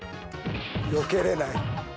よけれない。